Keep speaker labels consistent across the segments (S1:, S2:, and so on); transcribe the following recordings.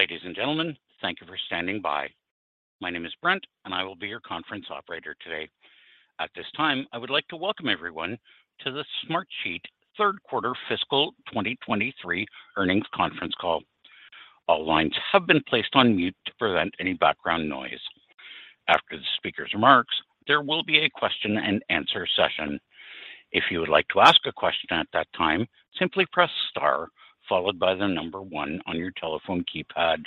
S1: Ladies and gentlemen, thank you for standing by. My name is Brent, and I will be your conference operator today. At this time, I would like to welcome everyone to the Smartsheet third quarter fiscal 2023 earnings conference call. All lines have been placed on mute to prevent any background noise. After the speaker's remarks, there will be a question-and-answer session. If you would like to ask a question at that time, simply press star followed by one on your telephone keypad.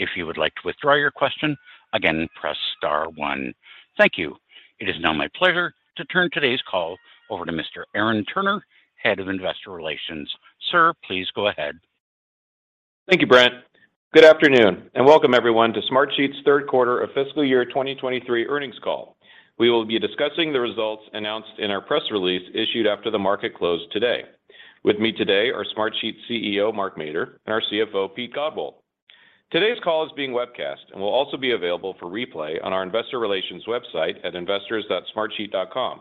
S1: If you would like to withdraw your question, again, press star one. Thank you. It is now my pleasure to turn today's call over to Mr. Aaron Turner, Head of Investor Relations. Sir, please go ahead.
S2: Thank you, Brent. Good afternoon, and welcome everyone to Smartsheet's third quarter of fiscal year 2023 earnings call. We will be discussing the results announced in our press release issued after the market closed today. With me today are Smartsheet CEO, Mark Mader, and our CFO, Pete Godbole. Today's call is being webcast and will also be available for replay on our investor relations website at investors.smartsheet.com.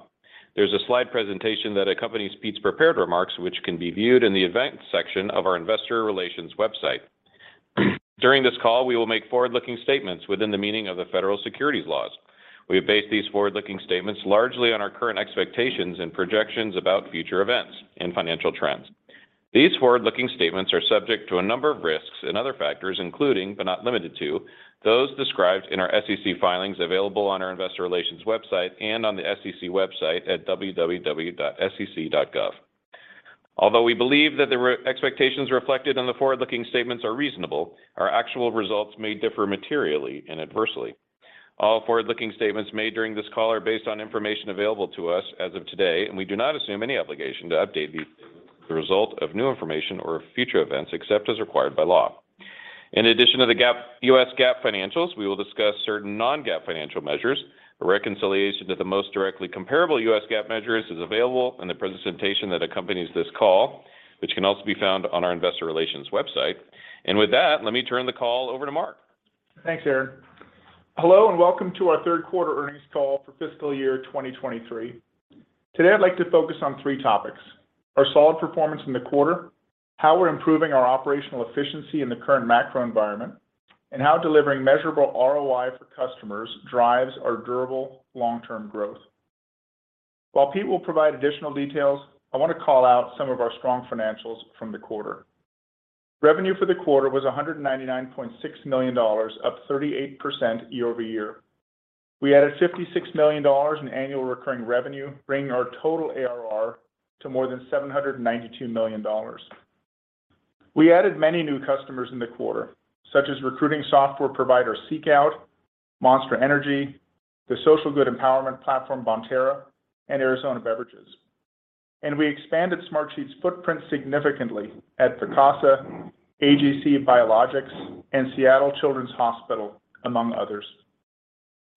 S2: There's a slide presentation that accompanies Pete's prepared remarks, which can be viewed in the event section of our investor relations website. During this call, we will make forward-looking statements within the meaning of the federal securities laws. We have based these forward-looking statements largely on our current expectations and projections about future events and financial trends. These forward-looking statements are subject to a number of risks and other factors, including, but not limited to, those described in our SEC filings available on our investor relations website and on the SEC website at www.sec.gov. Although we believe that the expectations reflected in the forward-looking statements are reasonable, our actual results may differ materially and adversely. We do not assume any obligation to update the result of new information or future events except as required by law. In addition to the U.S. GAAP financials, we will discuss certain non-GAAP financial measures. A reconciliation to the most directly comparable U.S. GAAP measures is available in the presentation that accompanies this call, which can also be found on our investor relations website. With that, let me turn the call over to Mark.
S3: Thanks, Aaron. Hello, and welcome to our third quarter earnings call for fiscal year 2023. Today, I'd like to focus on three topics: our solid performance in the quarter, how we're improving our operational efficiency in the current macro environment, and how delivering measurable ROI for customers drives our durable long-term growth. While Pete will provide additional details, I want to call out some of our strong financials from the quarter. Revenue for the quarter was $199.6 million, up 38% year-over-year. We added $56 million in annual recurring revenue, bringing our total ARR to more than $792 million. We added many new customers in the quarter, such as recruiting software provider SeekOut, Monster Energy, the social good empowerment platform Bonterra, and Arizona Beverages. We expanded Smartsheet's footprint significantly at Picus, AGC Biologics, and Seattle Children's, among others.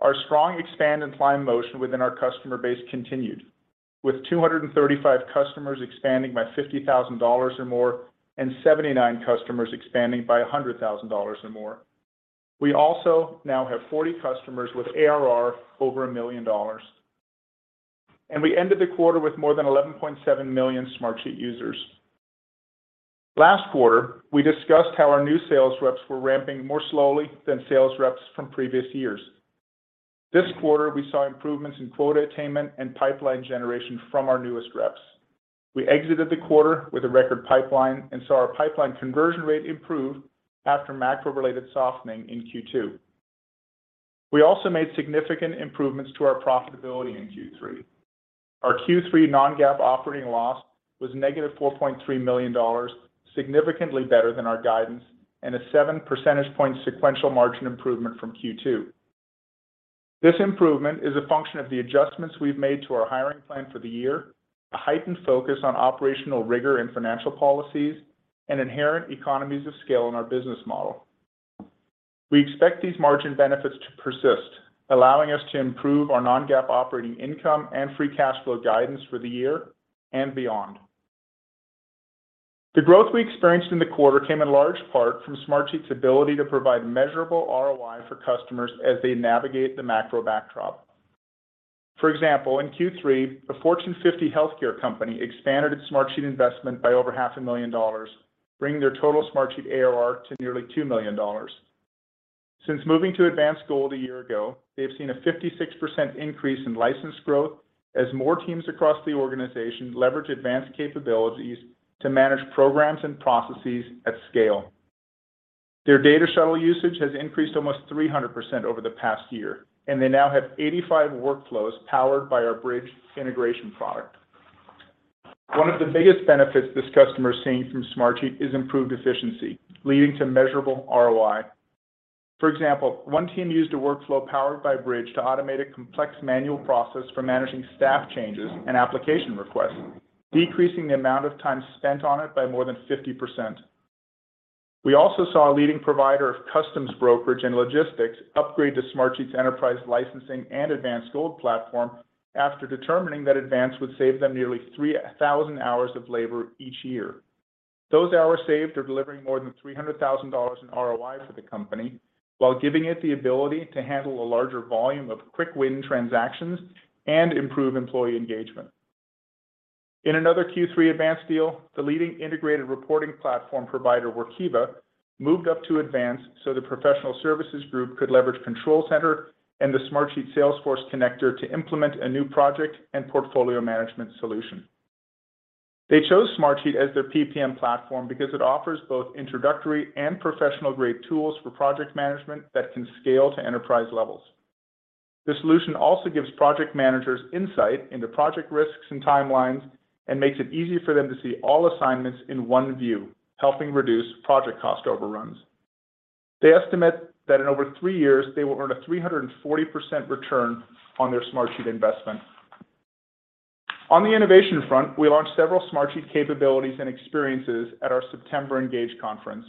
S3: Our strong expand and climb motion within our customer base continued, with 235 customers expanding by $50,000 or more and 79 customers expanding by $100,000 or more. We also now have 40 customers with ARR over $1 million, and we ended the quarter with more than 11.7 million Smartsheet users. Last quarter, we discussed how our new sales reps were ramping more slowly than sales reps from previous years. This quarter, we saw improvements in quota attainment and pipeline generation from our newest reps. We exited the quarter with a record pipeline and saw our pipeline conversion rate improve after macro-related softening in Q2. We also made significant improvements to our profitability in Q3. Our Q3 non-GAAP operating loss was negative $4.3 million, significantly better than our guidance and a 7 percentage point sequential margin improvement from Q2. This improvement is a function of the adjustments we've made to our hiring plan for the year, a heightened focus on operational rigor and financial policies, and inherent economies of scale in our business model. We expect these margin benefits to persist, allowing us to improve our non-GAAP operating income and free cash flow guidance for the year and beyond. The growth we experienced in the quarter came in large part from Smartsheet's ability to provide measurable ROI for customers as they navigate the macro backdrop. For example, in Q3, a Fortune 50 healthcare company expanded its Smartsheet investment by over half a million dollars, bringing their total Smartsheet ARR to nearly $2 million. Since moving to Advanced Gold a year ago, they have seen a 56% increase in license growth as more teams across the organization leveraged advanced capabilities to manage programs and processes at scale. Their Data Shuttle usage has increased almost 300% over the past year, and they now have 85 workflows powered by our Bridge integration product. One of the biggest benefits this customer is seeing from Smartsheet is improved efficiency, leading to measurable ROI. For example, one team used a workflow powered by Bridge to automate a complex manual process for managing staff changes and application requests, decreasing the amount of time spent on it by more than 50%. We also saw a leading provider of customs brokerage and logistics upgrade to Smartsheet's enterprise licensing and Advanced Gold platform after determining that Advanced would save them nearly 3,000 hours of labor each year. Those hours saved are delivering more than $300,000 in ROI for the company while giving it the ability to handle a larger volume of quick-win transactions and improve employee engagement. In another Q3 advance deal, the leading integrated reporting platform provider Workiva moved up to advance so the professional services group could leverage Control Center and the Smartsheet Salesforce Connector to implement a new project and PPM solution. They chose Smartsheet as their PPM platform because it offers both introductory and professional-grade tools for project management that can scale to enterprise levels. The solution also gives project managers insight into project risks and timelines and makes it easy for them to see all assignments in one view, helping reduce project cost overruns. They estimate that in over three years, they will earn a 340% return on their Smartsheet investment. On the innovation front, we launched several Smartsheet capabilities and experiences at our September ENGAGE conference,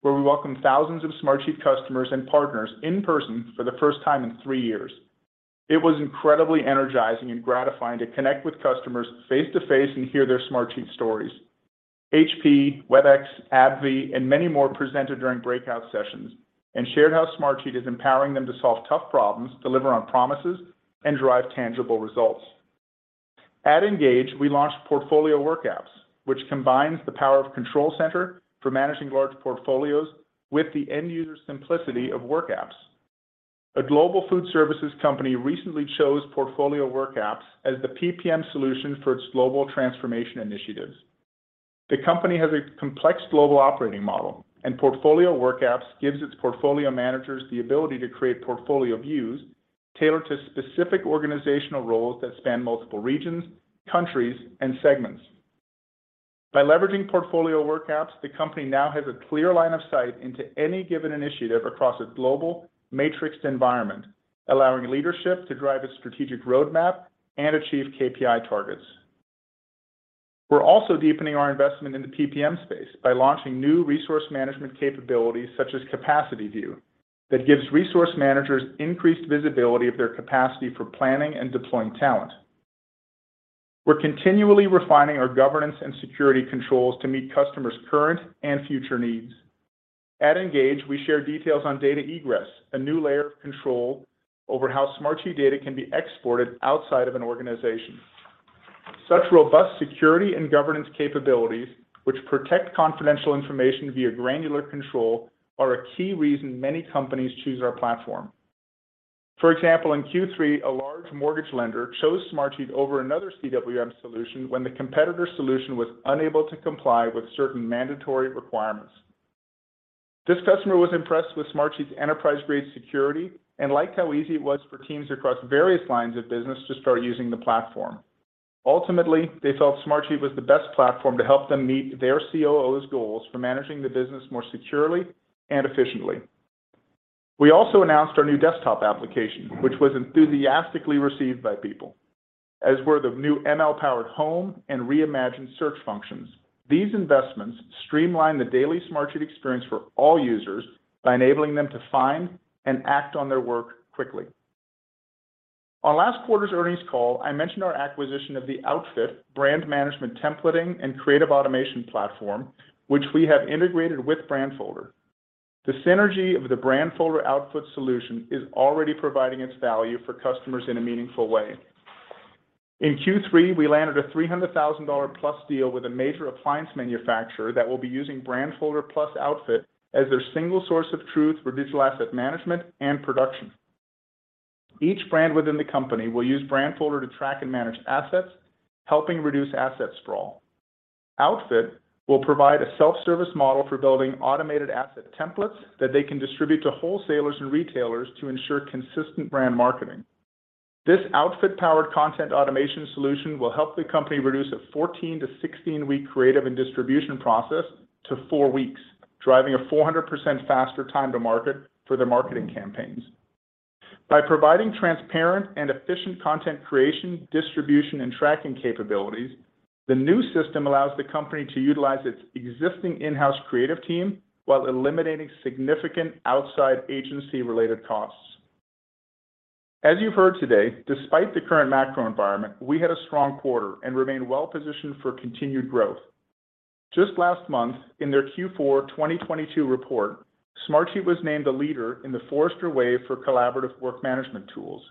S3: where we welcomed thousands of Smartsheet customers and partners in person for the first time in three years. It was incredibly energizing and gratifying to connect with customers face-to-face and hear their Smartsheet stories. HP, Webex, AbbVie, and many more presented during breakout sessions and shared how Smartsheet is empowering them to solve tough problems, deliver on promises, and drive tangible results. At ENGAGE, we launched Portfolio WorkApps, which combines the power of Control Center for managing large portfolios with the end-user simplicity of WorkApps. A global food services company recently chose Portfolio WorkApps as the PPM solution for its global transformation initiatives. The company has a complex global operating model, and Portfolio WorkApps gives its portfolio managers the ability to create portfolio views tailored to specific organizational roles that span multiple regions, countries, and segments. By leveraging Portfolio WorkApps, the company now has a clear line of sight into any given initiative across a global matrixed environment, allowing leadership to drive its strategic roadmap and achieve KPI targets. We're also deepening our investment in the PPM space by launching new resource management capabilities, such as Capacity View, that gives resource managers increased visibility of their capacity for planning and deploying talent. We're continually refining our governance and security controls to meet customers' current and future needs. At ENGAGE, we shared details on Data Egress, a new layer of control over how Smartsheet data can be exported outside of an organization. Such robust security and governance capabilities, which protect confidential information via granular control, are a key reason many companies choose our platform. For example, in Q3, a large mortgage lender chose Smartsheet over another CWM solution when the competitor's solution was unable to comply with certain mandatory requirements. This customer was impressed with Smartsheet's enterprise-grade security and liked how easy it was for teams across various lines of business to start using the platform. Ultimately, they felt Smartsheet was the best platform to help them meet their COO's goals for managing the business more securely and efficiently. We also announced our new desktop application, which was enthusiastically received by people, as were the new ML-powered home and reimagined search functions. These investments streamline the daily Smartsheet experience for all users by enabling them to find and act on their work quickly. On last quarter's earnings call, I mentioned our acquisition of the Outfit brand management templating and creative automation platform, which we have integrated with Brandfolder. The synergy of the Brandfolder-Outfit solution is already providing its value for customers in a meaningful way. In Q3, we landed a $300,000+ deal with a major appliance manufacturer that will be using Brandfolder plus Outfit as their single source of truth for digital asset management and production. Each brand within the company will use Brandfolder to track and manage assets, helping reduce asset sprawl. Outfit will provide a self-service model for building automated asset templates that they can distribute to wholesalers and retailers to ensure consistent brand marketing. This Outfit-powered content automation solution will help the company reduce a 14-16 week creative and distribution process to four weeks, driving a 400% faster time to market for their marketing campaigns. By providing transparent and efficient content creation, distribution, and tracking capabilities, the new system allows the company to utilize its existing in-house creative team while eliminating significant outside agency-related costs. As you've heard today, despite the current macro environment, we had a strong quarter and remain well-positioned for continued growth. Just last month, in their Q4 2022 report, Smartsheet was named a leader in the Forrester Wave for collaborative work management tools.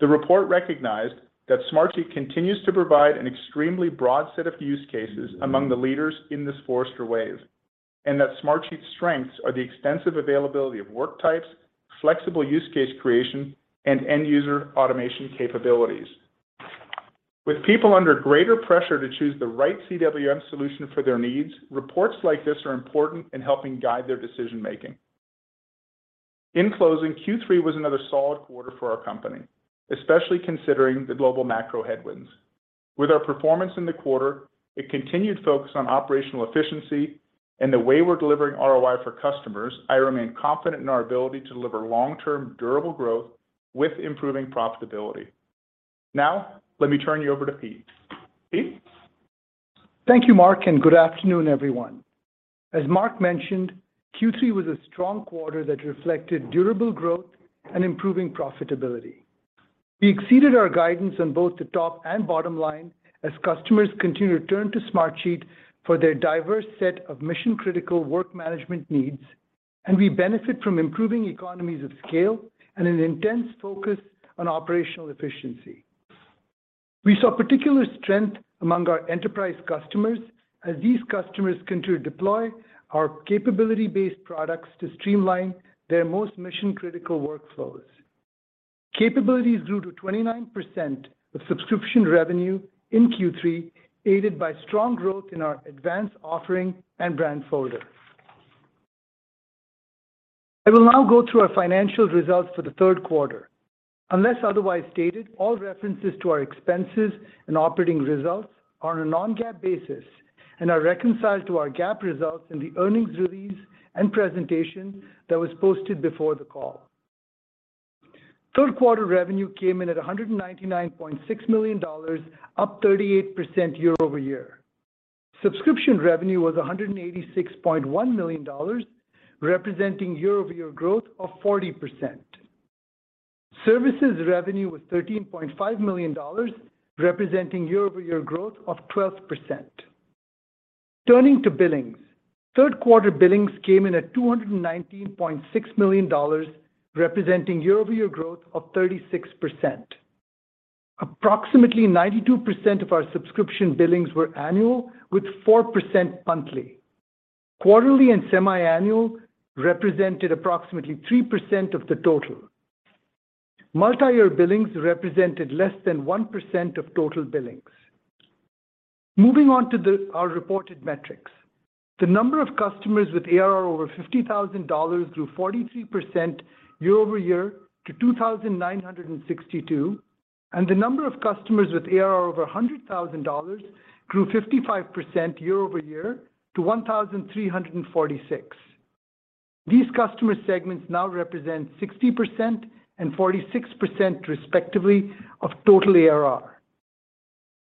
S3: The report recognized that Smartsheet continues to provide an extremely broad set of use cases among the leaders in this Forrester Wave and that Smartsheet's strengths are the extensive availability of work types, flexible use case creation, and end-user automation capabilities. With people under greater pressure to choose the right CWM solution for their needs, reports like this are important in helping guide their decision-making. In closing, Q3 was another solid quarter for our company, especially considering the global macro headwinds. With our performance in the quarter, a continued focus on operational efficiency, and the way we're delivering ROI for customers, I remain confident in our ability to deliver long-term, durable growth with improving profitability. Now, let me turn you over to Pete. Pete?
S4: Thank you, Mark, and good afternoon, everyone. As Mark mentioned, Q3 was a strong quarter that reflected durable growth and improving profitability. We exceeded our guidance on both the top and bottom line as customers continue to turn to Smartsheet for their diverse set of mission-critical work management needs. We benefit from improving economies of scale and an intense focus on operational efficiency. We saw particular strength among our enterprise customers as these customers continue to deploy our capability-based products to streamline their most mission-critical workflows. Capabilities grew to 29% of subscription revenue in Q3, aided by strong growth in our advanced offering and Brandfolder. I will now go through our financial results for the third quarter. Unless otherwise stated, all references to our expenses and operating results are on a non-GAAP basis and are reconciled to our GAAP results in the earnings release and presentation that was posted before the call. Third quarter revenue came in at $199.6 million, up 38% year-over-year. Subscription revenue was $186.1 million, representing year-over-year growth of 40%. Services revenue was $13.5 million, representing year-over-year growth of 12%. Turning to billings. Third quarter billings came in at $219.6 million, representing year-over-year growth of 36%. Approximately 92% of our subscription billings were annual, with 4% monthly. Quarterly and semi-annual represented approximately 3% of the total. Multi-year billings represented less than 1% of total billings. Moving on to our reported metrics. The number of customers with ARR over $50,000 grew 43% year-over-year to 2,962, and the number of customers with ARR over $100,000 grew 55% year-over-year to 1,346. These customer segments now represent 60% and 46% respectively of total ARR.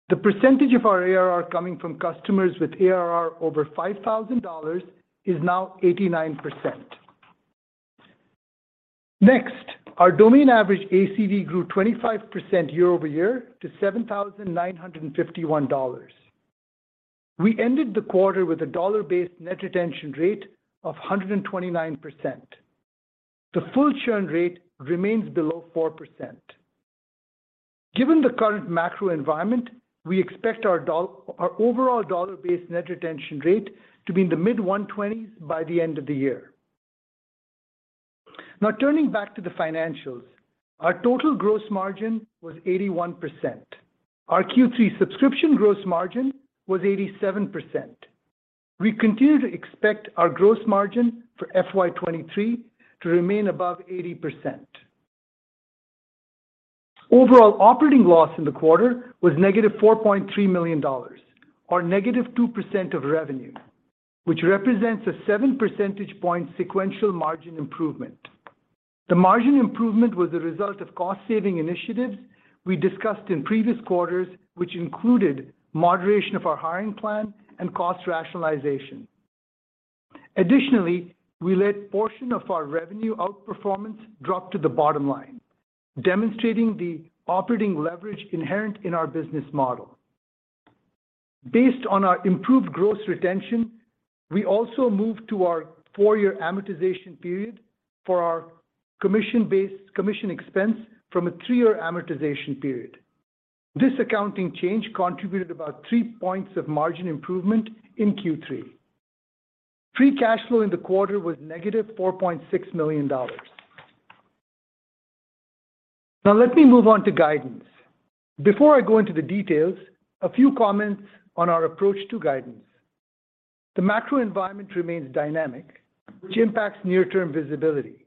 S4: The percentage of our ARR coming from customers with ARR over $5,000 is now 89%. Our domain average ACV grew 25% year-over-year to $7,951. We ended the quarter with a dollar-based net retention rate of 129%. The full churn rate remains below 4%. Given the current macro environment, we expect our overall dollar-based net retention rate to be in the mid-120s by the end of the year. Turning back to the financials, our total gross margin was 81%. Our Q3 subscription gross margin was 87%. We continue to expect our gross margin for FY 2023 to remain above 80%. Overall operating loss in the quarter was -$4.3 million, or -2% of revenue, which represents a 7 percentage point sequential margin improvement. The margin improvement was the result of cost-saving initiatives we discussed in previous quarters, which included moderation of our hiring plan and cost rationalization. Additionally, we let portion of our revenue outperformance drop to the bottom line, demonstrating the operating leverage inherent in our business model. Based on our improved gross retention, we also moved to our four-year amortization period for our commission-based commission expense from a three-year amortization period. This accounting change contributed about three points of margin improvement in Q3. Free cash flow in the quarter was -$4.6 million. Let me move on to guidance. Before I go into the details, a few comments on our approach to guidance. The macro environment remains dynamic, which impacts near-term visibility.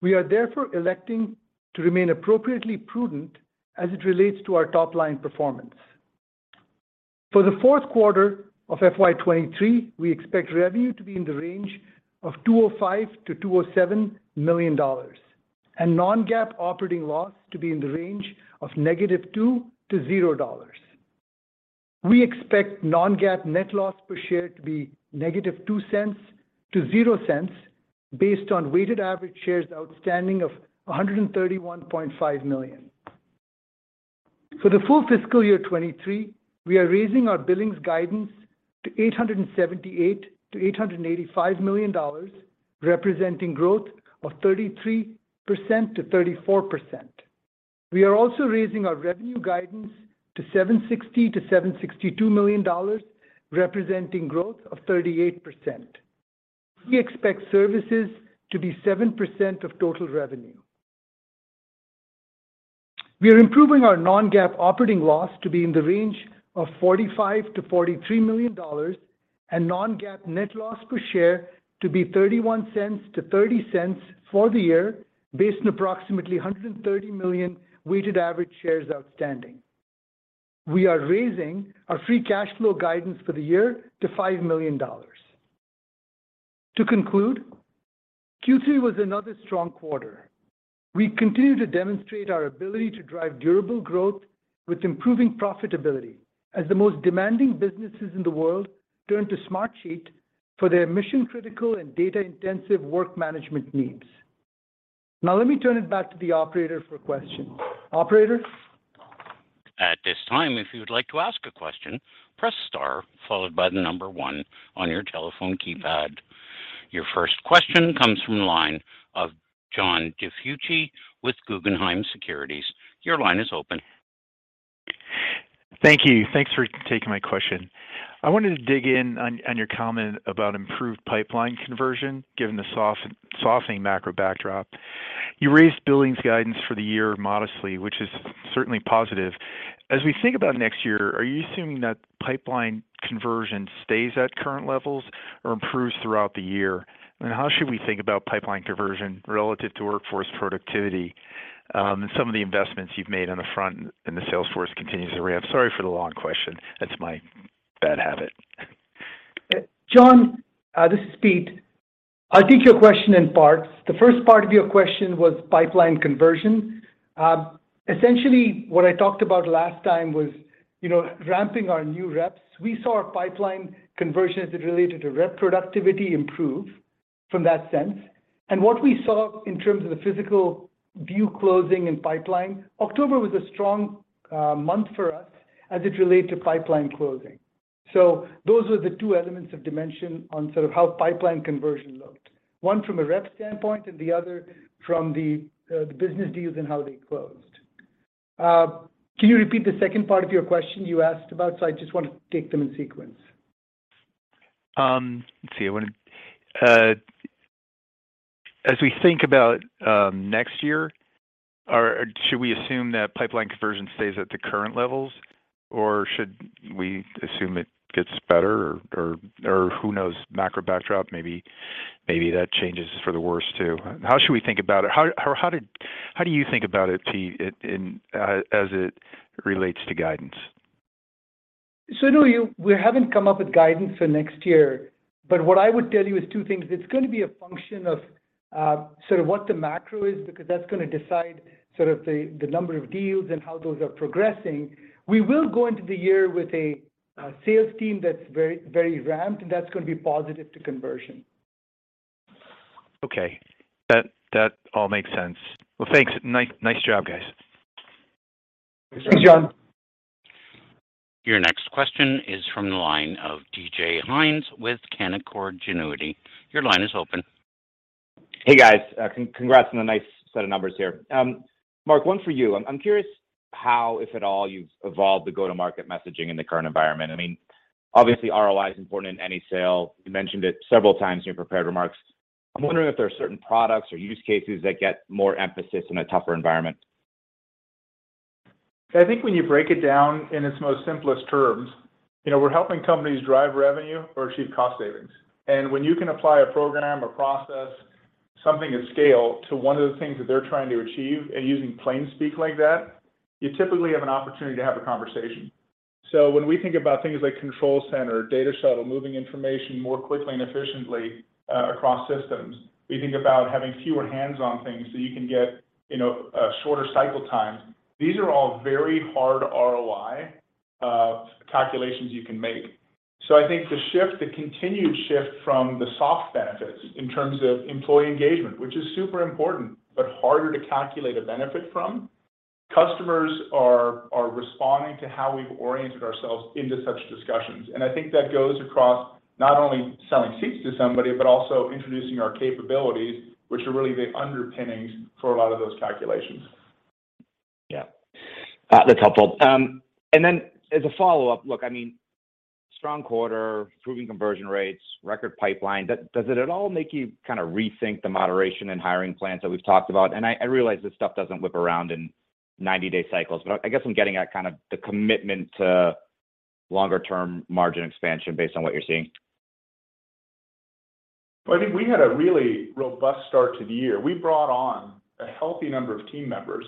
S4: We are therefore electing to remain appropriately prudent as it relates to our top-line performance. For the fourth quarter of FY 2023, we expect revenue to be in the range of $205 million-$207 million and non-GAAP operating loss to be in the range of -$2 to $0. We expect non-GAAP net loss per share to be -$0.02 to $0.00 based on weighted average shares outstanding of 131.5 million. For the full FY 2023, we are raising our billings guidance to $878 million-$885 million, representing growth of 33%-34%. We are also raising our revenue guidance to $760 million-$762 million, representing growth of 38%. We expect services to be 7% of total revenue. We are improving our non-GAAP operating loss to be in the range of $45 million-$43 million and non-GAAP net loss per share to be $0.31-$0.30 for the year based on approximately 130 million weighted average shares outstanding. We are raising our free cash flow guidance for the year to $5 million. To conclude, Q3 was another strong quarter. We continue to demonstrate our ability to drive durable growth with improving profitability as the most demanding businesses in the world turn to Smartsheet for their mission-critical and data-intensive work management needs. Let me turn it back to the operator for questions. Operator?
S1: At this time, if you would like to ask a question, press star followed by the number one on your telephone keypad. Your first question comes from the line of John DiFucci with Guggenheim Securities. Your line is open.
S5: Thank you. Thanks for taking my question. I wanted to dig in on your comment about improved pipeline conversion, given the softening macro backdrop. You raised billings guidance for the year modestly, which is certainly positive. As we think about next year, are you assuming that pipeline conversion stays at current levels or improves throughout the year? How should we think about pipeline conversion relative to workforce productivity, and some of the investments you've made on the front and the sales force continues to ramp? Sorry for the long question. That's my bad habit.
S4: John, this is Pete. I'll take your question in parts. The first part of your question was pipeline conversion. Essentially, what I talked about last time was, you know, ramping our new reps. We saw our pipeline conversion as it related to rep productivity improve from that sense. What we saw in terms of the physical view closing and pipeline, October was a strong month for us as it relate to pipeline closing. Those were the two elements of dimension on sort of how pipeline conversion looked, one from a rep standpoint and the other from the business deals and how they closed. Can you repeat the second part of your question you asked about? I just want to take them in sequence.
S5: Let's see. When as we think about next year, should we assume that pipeline conversion stays at the current levels, or should we assume it gets better or who knows, macro backdrop, maybe that changes for the worse too? How should we think about it? How do you think about it, Pete, in as it relates to guidance?
S4: No, we haven't come up with guidance for next year. What I would tell you is two things. It's gonna be a function of sort of what the macro is because that's gonna decide sort of the number of deals and how those are progressing. We will go into the year with a sales team that's very ramped, and that's gonna be positive to conversion.
S5: Okay. That all makes sense. Well, thanks. Nice job, guys.
S4: Thanks, John.
S1: Your next question is from the line of DJ Hynes with Canaccord Genuity. Your line is open.
S6: Hey, guys. congrats on the nice set of numbers here. Mark, one for you. I'm curious how, if at all, you've evolved the go-to-market messaging in the current environment. I mean, obviously, ROI is important in any sale. You mentioned it several times in your prepared remarks. I'm wondering if there are certain products or use cases that get more emphasis in a tougher environment?
S3: I think when you break it down in its most simplest terms, you know, we're helping companies drive revenue or achieve cost savings. When you can apply a program or process something at scale to one of the things that they're trying to achieve and using plain speak like that, you typically have an opportunity to have a conversation. When we think about things like Control Center, Data Shuttle, moving information more quickly and efficiently across systems, we think about having fewer hands-on things, so you can get, you know, shorter cycle times. These are all very hard ROI calculations you can make. I think the shift, the continued shift from the soft benefits in terms of employee engagement, which is super important, but harder to calculate a benefit from, customers are responding to how we've oriented ourselves into such discussions. I think that goes across not only selling seats to somebody, but also introducing our capabilities, which are really the underpinnings for a lot of those calculations.
S6: Yeah. That's helpful. Then as a follow-up, look, I mean, strong quarter, improving conversion rates, record pipeline. Does it at all make you kind of rethink the moderation in hiring plans that we've talked about? I realize this stuff doesn't whip around in 90-day cycles, but I guess I'm getting at kind of the commitment to longer-term margin expansion based on what you're seeing.
S3: I think we had a really robust start to the year. We brought on a healthy number of team members.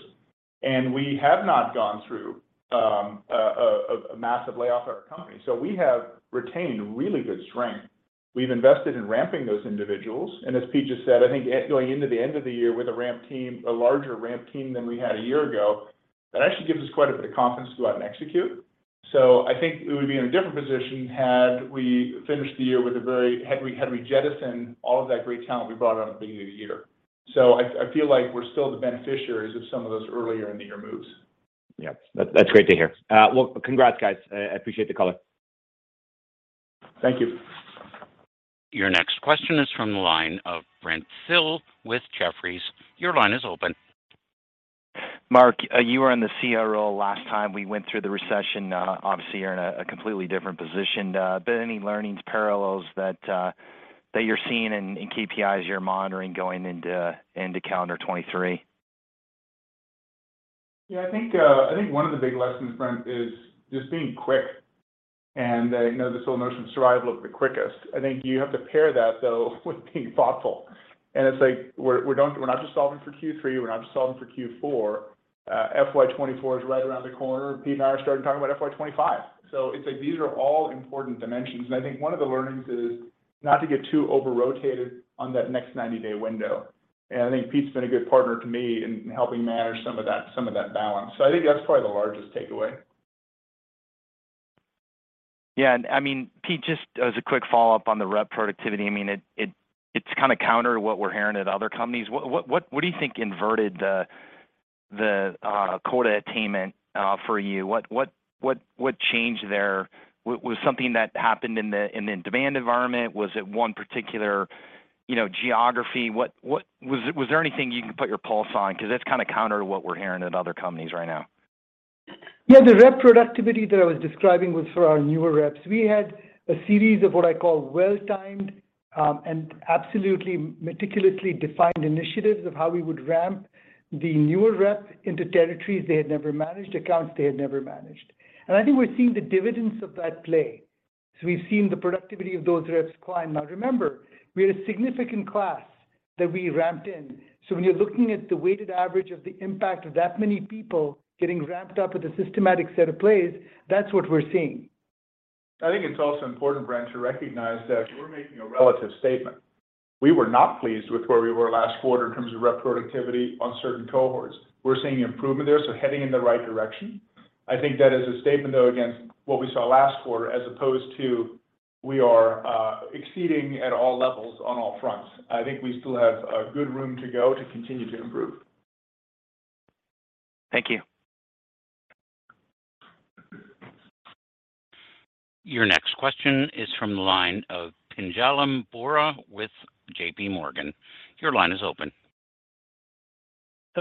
S3: We have not gone through a massive layoff at our company. We have retained really good strength. We've invested in ramping those individuals. As Pete just said, I think going into the end of the year with a ramp team, a larger ramp team than we had a year ago, that actually gives us quite a bit of confidence to go out and execute. I think we would be in a different position had we finished the year with Had we jettisoned all of that great talent we brought on at the beginning of the year. I feel like we're still the beneficiaries of some of those earlier in the year moves.
S6: Yeah. That's great to hear. Well, congrats, guys. I appreciate the color.
S3: Thank you.
S1: Your next question is from the line of Brent Thill with Jefferies. Your line is open.
S7: Mark, you were in the CRO last time we went through the recession. Obviously, you're in a completely different position. Any learnings, parallels that you're seeing in KPIs you're monitoring going into calendar 2023?
S3: Yeah, I think, I think one of the big lessons, Brent, is just being quick. You know, this whole notion of survival of the quickest. I think you have to pair that, though, with being thoughtful. It's like we're not just solving for Q3, we're not just solving for Q4. FY 2024 is right around the corner. Pete and I are starting talking about FY 2025. It's like these are all important dimensions. I think one of the learnings is not to get too over-rotated on that next 90-day window. I think Pete's been a good partner to me in helping manage some of that, some of that balance. I think that's probably the largest takeaway.
S7: I mean, Pete, just as a quick follow-up on the rep productivity, I mean, it's kinda counter what we're hearing at other companies. What do you think inverted the quota attainment for you? What changed there? Was something that happened in the demand environment? Was it one particular, you know, geography? What... Was there anything you can put your pulse on? 'Cause that's kinda counter to what we're hearing at other companies right now.
S4: Yeah, the rep productivity that I was describing was for our newer reps. We had a series of what I call well-timed, and absolutely meticulously defined initiatives of how we would ramp the newer rep into territories they had never managed, accounts they had never managed. I think we're seeing the dividends of that play, so we've seen the productivity of those reps climb. Remember, we had a significant class that we ramped in. When you're looking at the weighted average of the impact of that many people getting ramped up with a systematic set of plays, that's what we're seeing.
S3: I think it's also important, Brent, to recognize that we're making a relative statement. We were not pleased with where we were last quarter in terms of rep productivity on certain cohorts. We're seeing improvement there. Heading in the right direction. I think that is a statement, though, against what we saw last quarter as opposed to we are exceeding at all levels on all fronts. I think we still have a good room to go to continue to improve.
S7: Thank you.
S1: Your next question is from the line of Pinjalim Bora with JPMorgan. Your line is open.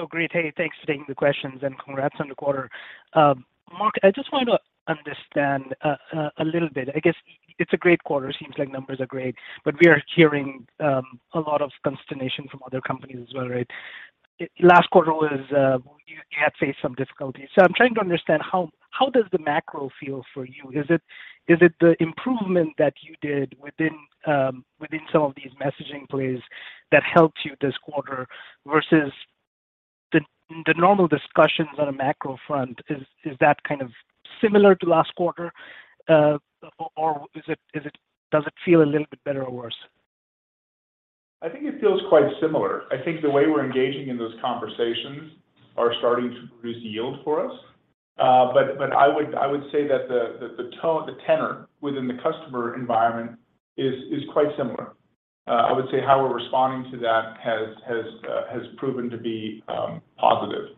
S8: Great. Hey, thanks for taking the questions, and congrats on the quarter. Mark, I just want to understand a little bit. I guess it's a great quarter. Seems like numbers are great, but we are hearing a lot of consternation from other companies as well, right? Last quarter was, you had faced some difficulties. I'm trying to understand how does the macro feel for you? Is it the improvement that you did within some of these messaging plays that helped you this quarter versus the normal discussions on a macro front? Is that kind of similar to last quarter, or is it... Does it feel a little bit better or worse?
S3: I think it feels quite similar. I think the way we're engaging in those conversations are starting to produce yield for us. I would say that the tone, the tenor within the customer environment is quite similar. I would say how we're responding to that has proven to be positive.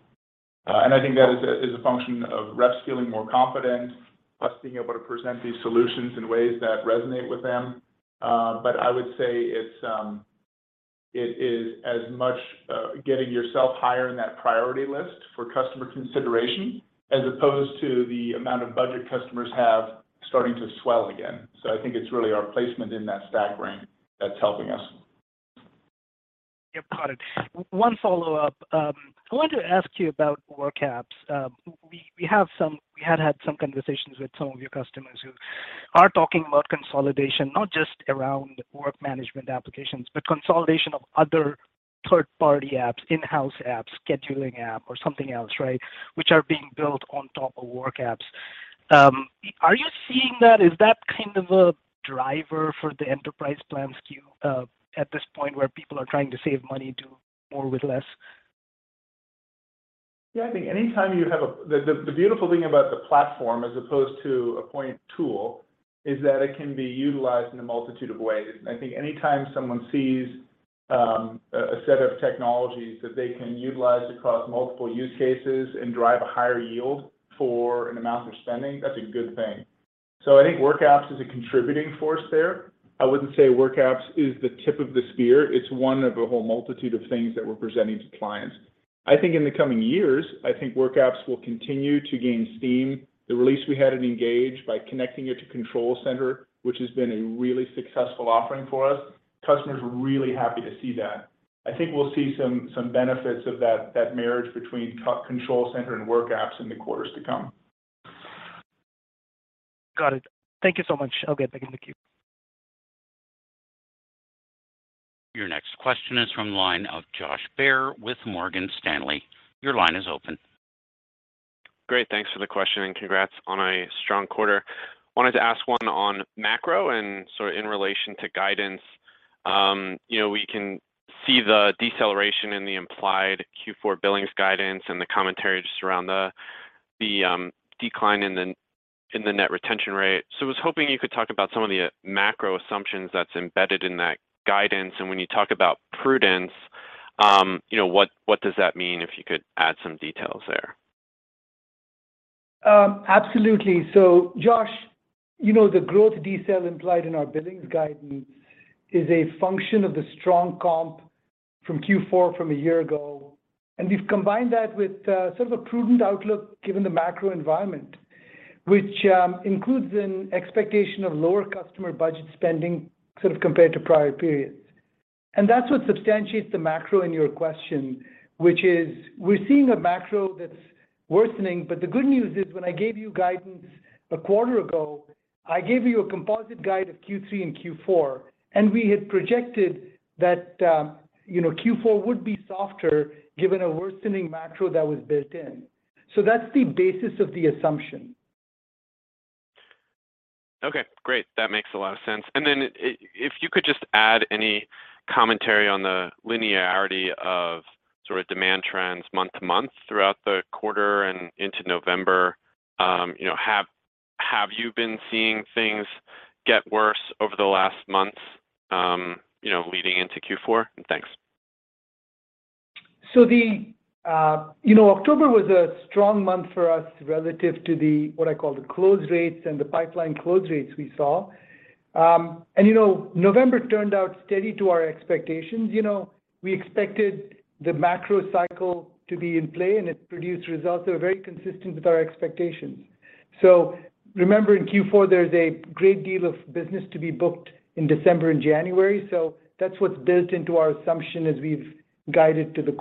S3: I think that is a function of reps feeling more confident, us being able to present these solutions in ways that resonate with them. I would say it's it is as much getting yourself higher in that priority list for customer consideration as opposed to the amount of budget customers have starting to swell again. I think it's really our placement in that stack rank that's helping us.
S8: Yeah, got it. One follow-up. I wanted to ask you about WorkApps. We had some conversations with some of your customers who are talking about consolidation, not just around work management applications, but consolidation of other third-party apps, in-house apps, scheduling app or something else, right? Which are being built on top of WorkApps. Are you seeing that? Is that kind of a driver for the enterprise plan SKU, at this point where people are trying to save money, do more with less?
S3: I think anytime you have the beautiful thing about the platform as opposed to a point tool is that it can be utilized in a multitude of ways. I think anytime someone sees a set of technologies that they can utilize across multiple use cases and drive a higher yield for an amount of spending, that's a good thing. I think WorkApps is a contributing force there. I wouldn't say WorkApps is the tip of the spear. It's one of a whole multitude of things that we're presenting to clients. I think in the coming years, I think WorkApps will continue to gain steam. The release we had at ENGAGE by connecting it to Control Center, which has been a really successful offering for us, customers were really happy to see that. I think we'll see some benefits of that marriage between Control Center and WorkApps in the quarters to come.
S8: Got it. Thank you so much. I'll get back in the queue.
S1: Your next question is from the line of Josh Baer with Morgan Stanley. Your line is open.
S9: Great. Thanks for the question. Congrats on a strong quarter. Wanted to ask one on macro and sort of in relation to guidance. You know, we can see the deceleration in the implied Q4 billings guidance and the commentary just around the decline in the net retention rate. I was hoping you could talk about some of the macro assumptions that's embedded in that guidance. When you talk about prudence, you know, what does that mean, if you could add some details there?
S4: Absolutely. Josh, you know, the growth decel implied in our billings guidance is a function of the strong comp from Q4 from 1 year ago. We've combined that with sort of a prudent outlook given the macro environment, which includes an expectation of lower customer budget spending sort of compared to prior periods. That's what substantiates the macro in your question, which is we're seeing a macro that's worsening, but the good news is when I gave you guidance one quarter ago, I gave you a composite guide of Q3 and Q4, and we had projected that, you know, Q4 would be softer given a worsening macro that was built in. That's the basis of the assumption.
S9: Okay, great. That makes a lot of sense. If you could just add any commentary on the linearity of. Sort of demand trends month-to-month throughout the quarter and into November. You know, have you been seeing things get worse over the last months, you know, leading into Q4? Thanks.
S4: The, you know, October was a strong month for us relative to the, what I call the close rates and the pipeline close rates we saw. And you know, November turned out steady to our expectations. You know, we expected the macro cycle to be in play, and it produced results that were very consistent with our expectations. Remember, in Q4, there's a great deal of business to be booked in December and January, so that's what's built into our assumption as we've guided to the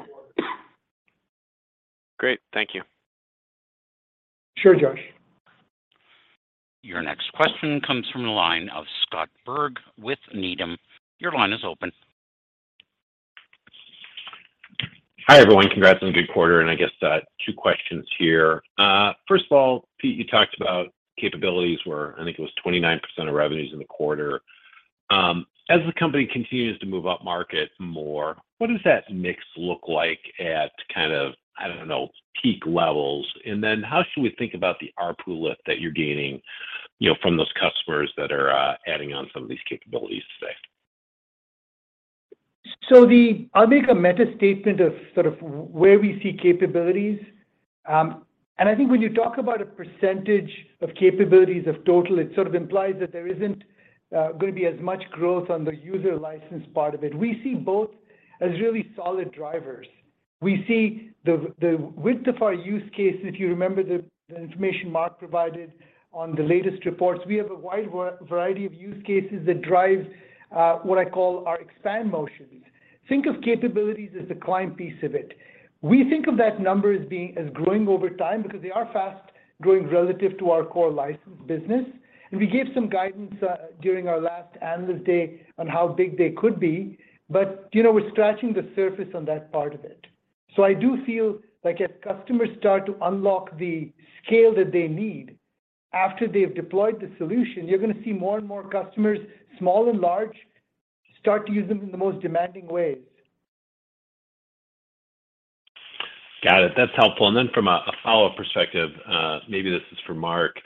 S4: quarter.
S9: Great. Thank you.
S4: Sure, Josh.
S1: Your next question comes from the line of Scott Berg with Needham. Your line is open.
S10: Hi, everyone. Congrats on a good quarter. I guess two questions here. First of all, Pete, you talked about capabilities were, I think it was 29% of revenues in the quarter. As the company continues to move up market more, what does that mix look like at kind of, I don't know, peak levels? How should we think about the ARPU lift that you're gaining, you know, from those customers that are adding on some of these capabilities today?
S4: I'll make a meta statement of sort of where we see capabilities. I think when you talk about a percentage of capabilities of total, it sort of implies that there isn't going to be as much growth on the user license part of it. We see both as really solid drivers. We see the width of our use case, if you remember the information Mark provided on the latest reports, we have a wide variety of use cases that drive what I call our expand motions. Think of capabilities as the client piece of it. We think of that number as growing over time because they are fast-growing relative to our core license business. We gave some guidance during our last analyst day on how big they could be. you know, we're scratching the surface on that part of it. I do feel like if customers start to unlock the scale that they need after they've deployed the solution, you're gonna see more and more customers, small and large, start to use them in the most demanding ways.
S10: Got it. That's helpful. From a follow perspective, maybe this is for Mark.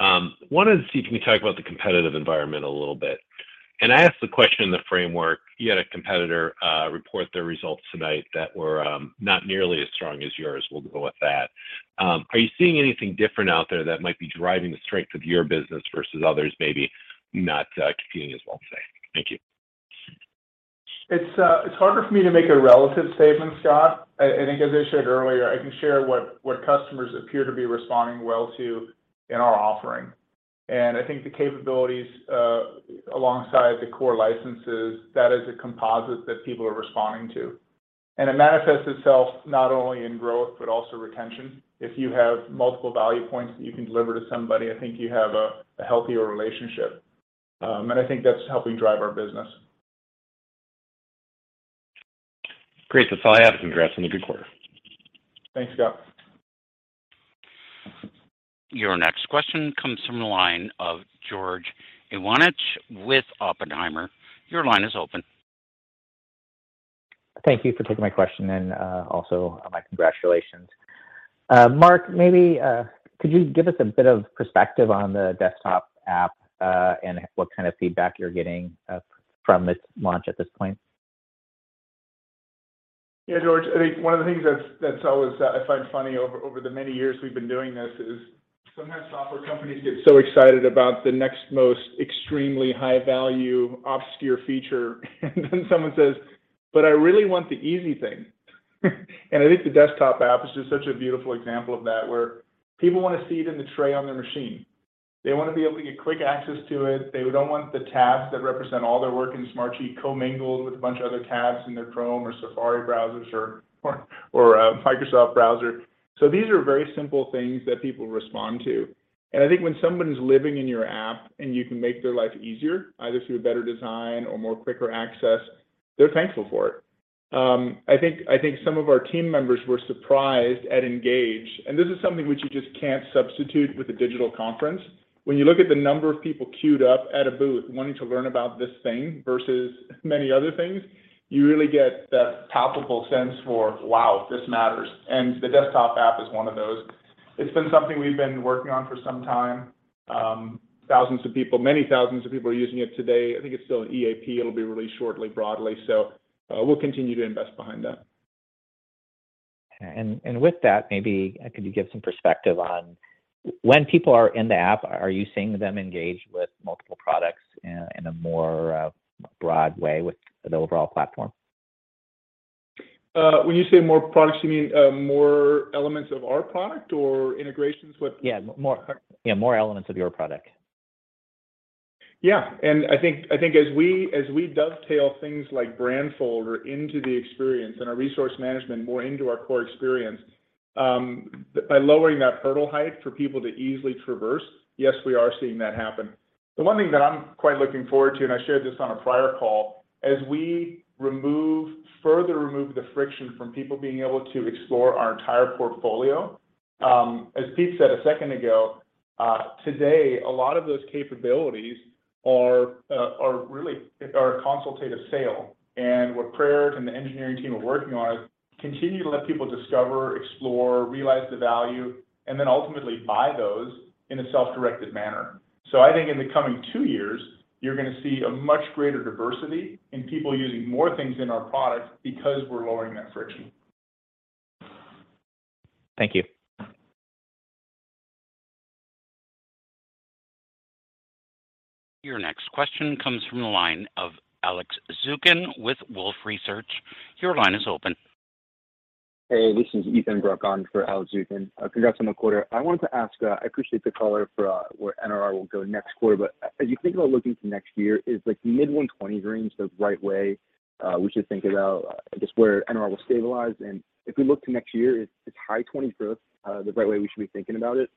S10: Wanted to see if you can talk about the competitive environment a little bit. I asked the question in the framework, you had a competitor report their results tonight that were not nearly as strong as yours. We'll go with that. Are you seeing anything different out there that might be driving the strength of your business versus others maybe not competing as well today? Thank you.
S3: It's harder for me to make a relative statement, Scott. I think as I shared earlier, I can share what customers appear to be responding well to in our offering. I think the capabilities alongside the core licenses, that is a composite that people are responding to. It manifests itself not only in growth, but also retention. If you have multiple value points that you can deliver to somebody, I think you have a healthier relationship. I think that's helping drive our business.
S10: Great. That's all I have. Congrats on the good quarter.
S3: Thanks, Scott.
S1: Your next question comes from the line of George Iwanyc with Oppenheimer. Your line is open.
S11: Thank you for taking my question, and also my congratulations. Mark, maybe could you give us a bit of perspective on the desktop app and what kind of feedback you're getting from this launch at this point?
S3: George. I think one of the things that's always, I find funny over the many years we've been doing this is sometimes software companies get so excited about the next most extremely high-value, obscure feature, and then someone says, "But I really want the easy thing." I think the desktop app is just such a beautiful example of that, where people wanna see it in the tray on their machine. They wanna be able to get quick access to it. They don't want the tabs that represent all their work in Smartsheet commingled with a bunch of other tabs in their Chrome or Safari browsers or, or, Microsoft browser. These are very simple things that people respond to. I think when someone's living in your app and you can make their life easier, either through a better design or more quicker access, they're thankful for it. I think some of our team members were surprised at ENGAGE, and this is something which you just can't substitute with a digital conference. When you look at the number of people queued up at a booth wanting to learn about this thing versus many other things, you really get that palpable sense for, wow, this matters. The desktop app is one of those. It's been something we've been working on for some time. Thousands of people, many thousands of people are using it today. I think it's still in EAP. It'll be released shortly, broadly. We'll continue to invest behind that.
S11: With that, maybe could you give some perspective on when people are in the app, are you seeing them engage with multiple products in a more broad way with the overall platform?
S3: When you say more products, you mean more elements of our product or integrations with?
S11: Yeah. More, yeah, more elements of your product.
S3: Yeah. I think as we dovetail things like Brandfolder into the experience and our Resource Management more into our core experience, by lowering that hurdle height for people to easily traverse, yes, we are seeing that happen. The one thing that I'm quite looking forward to, and I shared this on a prior call, as we further remove the friction from people being able to explore our entire portfolio. As Pete said a second ago, today a lot of those capabilities are really a consultative sale. What Prerit and the engineering team are working on is continue to let people discover, explore, realize the value, and then ultimately buy those in a self-directed manner. I think in the coming two years, you're gonna see a much greater diversity in people using more things in our product because we're lowering that friction.
S11: Thank you.
S1: Your next question comes from the line of Alex Zukin with Wolfe Research. Your line is open.
S12: Hey, this is Ethan Bruck on for Alex Zukin. Congrats on the quarter. I wanted to ask, I appreciate the color for where NRR will go next quarter. As you think about looking to next year, is, like, mid 120% range the right way we should think about, I guess, where NRR will stabilize? If we look to next year, is high 20% growth the right way we should be thinking about it?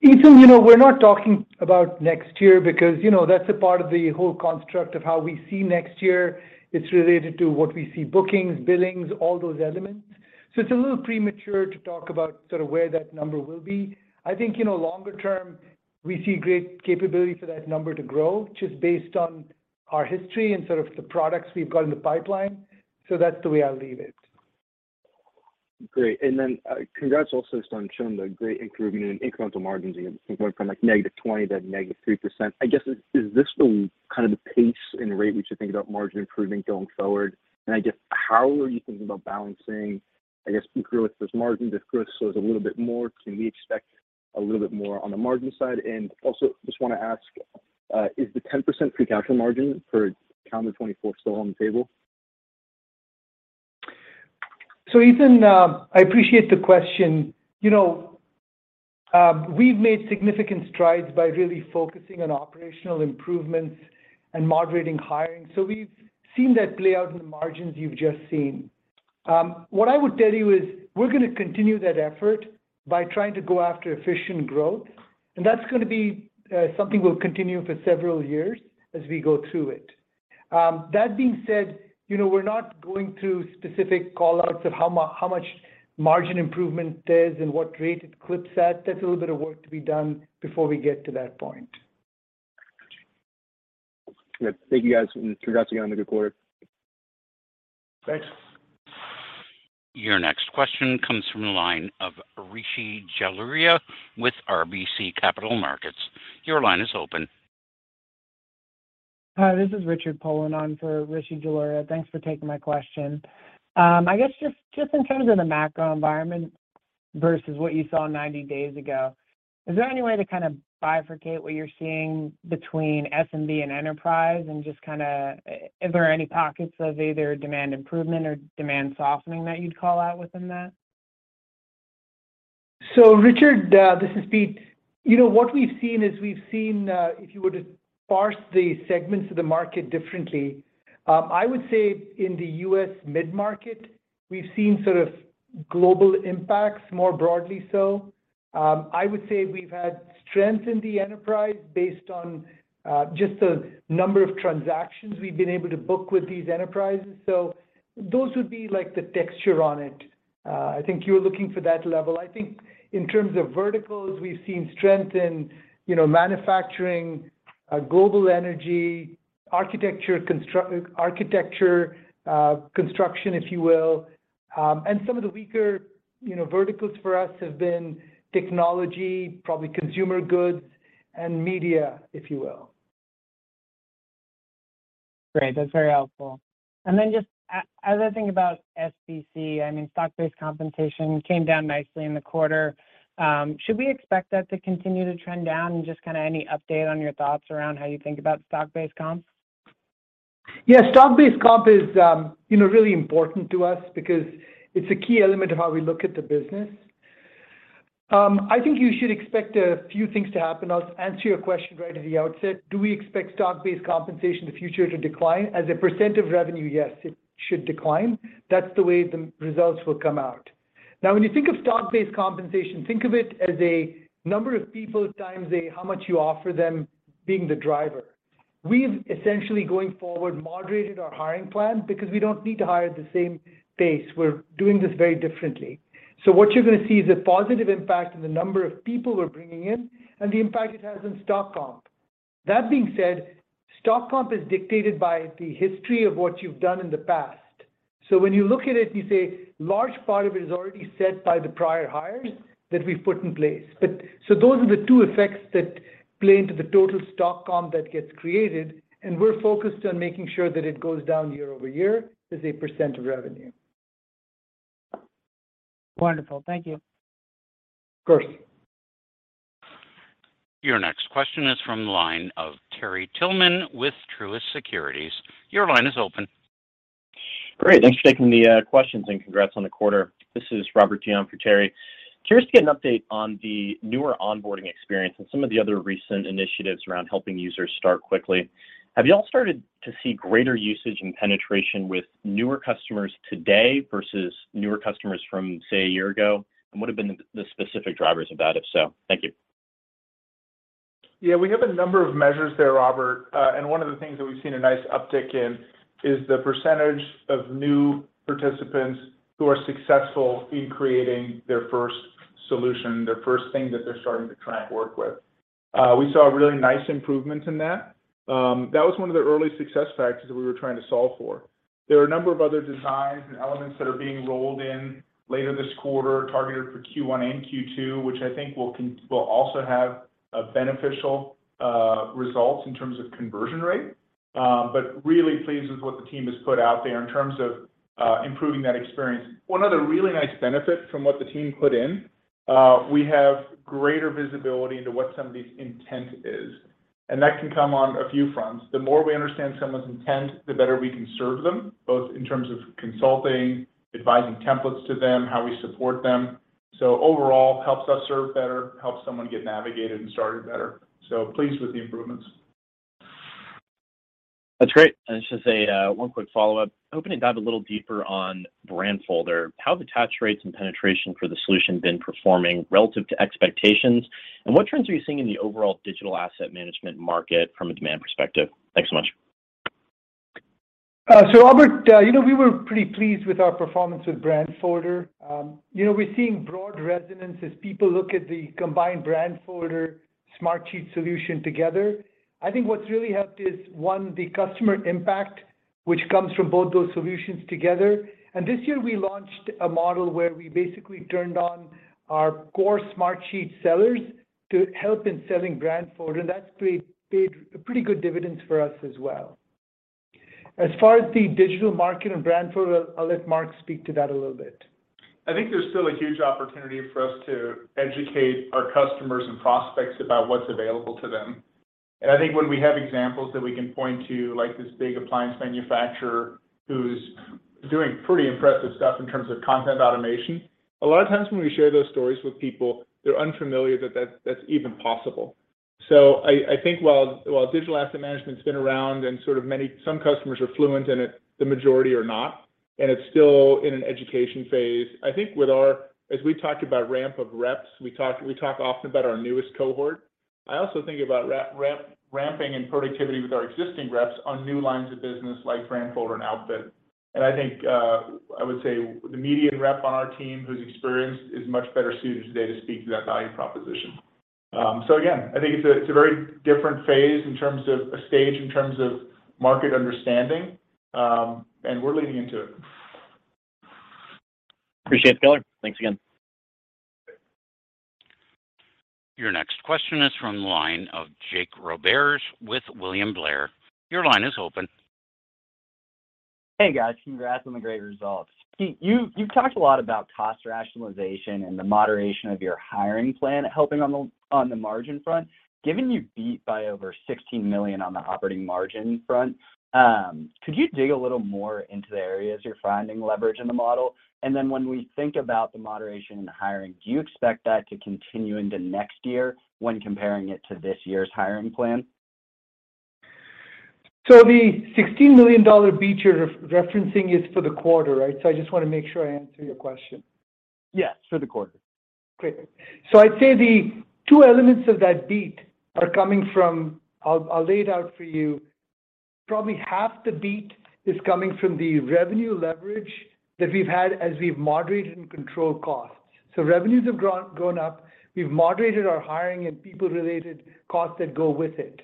S4: Ethan, you know, we're not talking about next year because, you know, that's a part of the whole construct of how we see next year. It's related to what we see bookings, billings, all those elements. It's a little premature to talk about sort of where that number will be. I think, you know, longer-term, we see great capability for that number to grow just based on our history and sort of the products we've got in the pipeline. That's the way I'll leave it.
S12: Great. Congrats also on showing the great improvement in incremental margins. You know, going from, like, -20% to -3%. I guess, is this the kind of the pace and rate we should think about margin improvement going forward? I guess how are you thinking about balancing, I guess, improve with this margin, this growth so it's a little bit more? Can we expect a little bit more on the margin side? Also just wanna ask, is the 10% free cash flow margin for calendar 2024 still on the table?
S4: Ethan, I appreciate the question. You know, we've made significant strides by really focusing on operational improvements and moderating hiring. We've seen that play out in the margins you've just seen. What I would tell you is we're gonna continue that effort by trying to go after efficient growth, and that's gonna be something we'll continue for several years as we go through it. That being said, you know, we're not going through specific call-outs of how much margin improvement there is and what rate it clips at. That's a little bit of work to be done before we get to that point.
S12: Gotcha. Yeah. Thank you, guys, and congrats again on a good quarter.
S4: Thanks.
S1: Your next question comes from the line of Rishi Jaluria with RBC Capital Markets. Your line is open.
S13: Hi, this is Richard Poland on for Rishi Jaluria. Thanks for taking my question. I guess just in terms of the macro environment versus what you saw 90 days ago, is there any way to kinda bifurcate what you're seeing between SMB and enterprise and just kinda? Is there any pockets of either demand improvement or demand softening that you'd call out within that?
S4: Richard, this is Pete. You know, what we've seen is we've seen, if you were to parse the segments of the market differently, I would say in the U.S. mid-market, we've seen sort of global impacts more broadly so. I would say we've had strength in the enterprise based on just the number of transactions we've been able to book with these enterprises. Those would be, like, the texture on it. I think you're looking for that level. I think in terms of verticals, we've seen strength in, you know, manufacturing, global energy, architecture construction, if you will. And some of the weaker, you know, verticals for us have been technology, probably consumer goods and media, if you will.
S13: Great. That's very helpful. Then just as I think about SBC, I mean, stock-based compensation came down nicely in the quarter. Should we expect that to continue to trend down? Just kinda any update on your thoughts around how you think about stock-based comp?
S4: Yeah. Stock-based comp is, you know, really important to us because it's a key element of how we look at the business. I think you should expect a few things to happen. I'll answer your question right at the outset. Do we expect stock-based compensation in the future to decline? As a percent of revenue, yes, it should decline. That's the way the results will come out. When you think of stock-based compensation, think of it as a number of people times a how much you offer them being the driver. We've essentially, going forward, moderated our hiring plan because we don't need to hire at the same pace. We're doing this very differently. What you're gonna see is a positive impact in the number of people we're bringing in and the impact it has on stock comp. That being said, stock comp is dictated by the history of what you've done in the past. When you look at it, you say large part of it is already set by the prior hires that we've put in place. Those are the two effects that play into the total stock comp that gets created, and we're focused on making sure that it goes down year-over-year as a percent of revenue.
S13: Wonderful. Thank you.
S4: Of course.
S1: Your next question is from the line of Terry Tillman with Truist Securities. Your line is open.
S14: Great. Thanks for taking the questions, and congrats on the quarter. This is Robert Zeller for Terry. Curious to get an update on the newer onboarding experience and some of the other recent initiatives around helping users start quickly. Have you all started to see greater usage and penetration with newer customers today versus newer customers from, say, a year ago? What have been the specific drivers about, if so? Thank you.
S3: Yeah, we have a number of measures there, Robert. One of the things that we've seen a nice uptick in is the percentage of new participants who are successful in creating their first solution, their first thing that they're starting to try and work with. We saw a really nice improvement in that. That was one of the early success factors that we were trying to solve for. There are a number of other designs and elements that are being rolled in later this quarter, targeted for Q1 and Q2, which I think will also have beneficial results in terms of conversion rate. Really pleased with what the team has put out there in terms of improving that experience. One other really nice benefit from what the team put in, we have greater visibility into what somebody's intent is, that can come on a few fronts. The more we understand someone's intent, the better we can serve them, both in terms of consulting, advising templates to them, how we support them. Overall, helps us serve better, helps someone get navigated and started better. Pleased with the improvements.
S14: That's great. I just have a one quick follow-up. Hoping to dive a little deeper on Brandfolder. How have attach rates and penetration for the solution been performing relative to expectations? What trends are you seeing in the overall digital asset management market from a demand perspective? Thanks so much.
S4: Robert, you know, we were pretty pleased with our performance with Brandfolder. You know, we're seeing broad resonance as people look at the combined Brandfolder, Smartsheet solution together. I think what's really helped is, one, the customer impact, which comes from both those solutions together. This year we launched a model where we basically turned on our core Smartsheet sellers to help in selling Brandfolder, and that's paid pretty good dividends for us as well. As far as the digital market and Brandfolder, I'll let Mark speak to that a little bit.
S3: I think there's still a huge opportunity for us to educate our customers and prospects about what's available to them. I think when we have examples that we can point to, like this big appliance manufacturer who's doing pretty impressive stuff in terms of content automation, a lot of times when we share those stories with people, they're unfamiliar that that's even possible. I think while digital asset management's been around and some customers are fluent in it, the majority are not, and it's still in an education phase. As we talk about ramp of reps, we talk often about our newest cohort. I also think about ramping and productivity with our existing reps on new lines of business like Brandfolder and Outfit. I think, I would say the median rep on our team who's experienced is much better suited today to speak to that value proposition. Again, I think it's a very different phase in terms of a stage, in terms of market understanding, and we're leaning into it.
S14: Appreciate the color. Thanks again.
S3: Okay.
S1: Your next question is from the line of Jake Roberge with William Blair. Your line is open.
S15: Hey, guys. Congrats on the great results. You've talked a lot about cost rationalization and the moderation of your hiring plan helping on the, on the margin front. Given you beat by over $16 million on the operating margin front, could you dig a little more into the areas you're finding leverage in the model? When we think about the moderation in hiring, do you expect that to continue into next year when comparing it to this year's hiring plan?
S4: The $16 million beat you're referencing is for the quarter, right? I just wanna make sure I answer your question.
S15: Yes. For the quarter.
S4: Great. I'd say the two elements of that beat are coming from. I'll lay it out for you. Probably half the beat is coming from the revenue leverage that we've had as we've moderated and controlled costs. Revenues have grown up. We've moderated our hiring and people-related costs that go with it.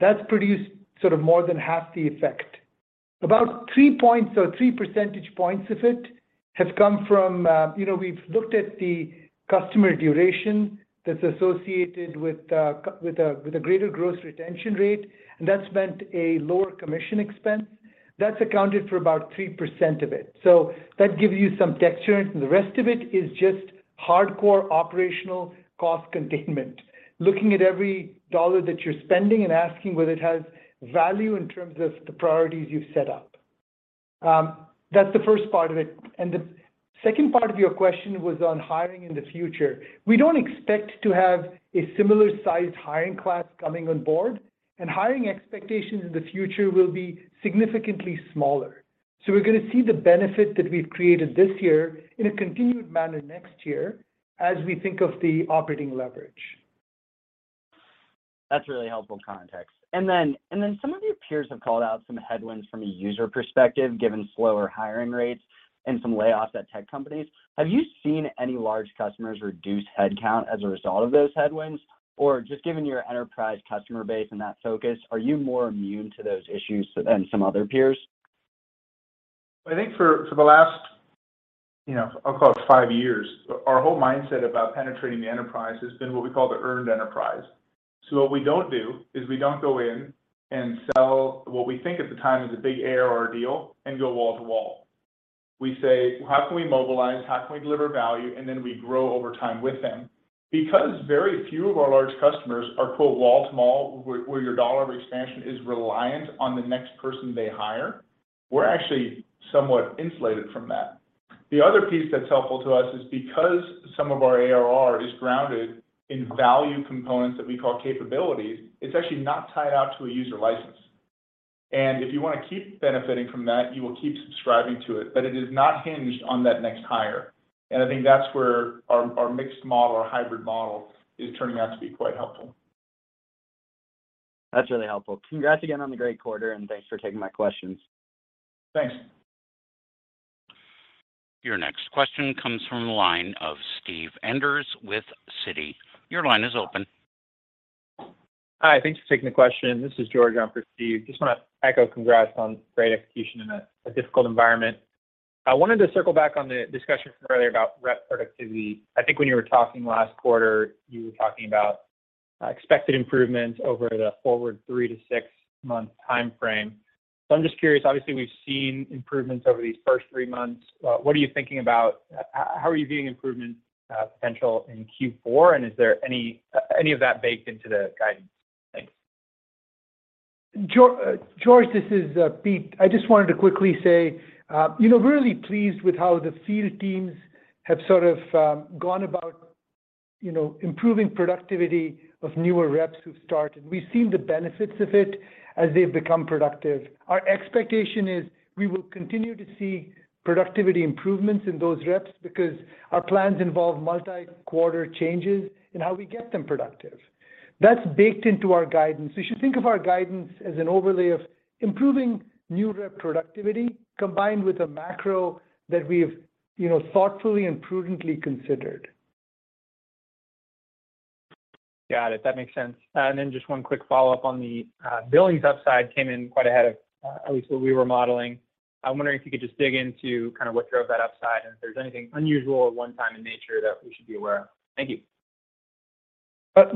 S4: That's produced sort of more than half the effect. About 3 points or 3 percentage points of it have come from, you know, we've looked at the customer duration that's associated with a greater gross retention rate, and that's meant a lower commission expense. That's accounted for about 3% of it. That gives you some texture, and the rest of it is just hardcore operational cost containment. Looking at every dollar that you're spending and asking whether it has value in terms of the priorities you've set up. That's the first part of it. The second part of your question was on hiring in the future. We don't expect to have a similar-sized hiring class coming on board, and hiring expectations in the future will be significantly smaller. We're gonna see the benefit that we've created this year in a continued manner next year as we think of the operating leverage.
S15: That's really helpful context. Some of your peers have called out some headwinds from a user perspective, given slower hiring rates and some layoffs at tech companies. Have you seen any large customers reduce headcount as a result of those headwinds? Or just given your enterprise customer base and that focus, are you more immune to those issues than some other peers?
S3: I think for the last, you know, I'll call it five years, our whole mindset about penetrating the enterprise has been what we call the earned enterprise. What we don't do is we don't go in and sell what we think at the time is a big ARR deal and go wall-to-wall. We say, "How can we mobilize? How can we deliver value?" We grow over time with them. Because very few of our large customers are, quote, "wall-to-wall" where your dollar of expansion is reliant on the next person they hire, we're actually somewhat insulated from that. The other piece that's helpful to us is because some of our ARR is grounded in value components that we call capabilities, it's actually not tied out to a user license. If you want to keep benefiting from that, you will keep subscribing to it, but it is not hinged on that next hire. I think that's where our mixed model, our hybrid model is turning out to be quite helpful.
S15: That's really helpful. Congrats again on the great quarter, and thanks for taking my questions.
S3: Thanks.
S1: Your next question comes from the line of Steven Enders with Citi. Your line is open.
S16: Hi. Thanks for taking the question. This is George on for Steven. Just wanna echo congrats on great execution in a difficult environment. I wanted to circle back on the discussion from earlier about rep productivity. I think when you were talking last quarter, you were talking about expected improvements over the forward three to six month timeframe. I'm just curious, obviously, we've seen improvements over these first three months. What are you thinking about how are you viewing improvement potential in Q4, and is there any of that baked into the guidance? Thanks.
S4: George, this is Pete. I just wanted to quickly say, you know, really pleased with how the field teams have sort of gone about, you know, improving productivity of newer reps who've started. We've seen the benefits of it as they've become productive. Our expectation is we will continue to see productivity improvements in those reps because our plans involve multi-quarter changes in how we get them productive. That's baked into our guidance. You should think of our guidance as an overlay of improving new rep productivity combined with a macro that we've, you know, thoughtfully and prudently considered.
S16: Got it. That makes sense. Just one quick follow-up on the billings upside came in quite ahead of at least what we were modeling. I'm wondering if you could just dig into kind of what drove that upside and if there's anything unusual or one time in nature that we should be aware of. Thank you.